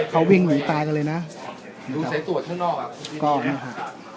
เขาวิ่งหนูตายกันเลยนะดูเสร็จตัวข้างนอกอ่ะก็นี่ค่ะ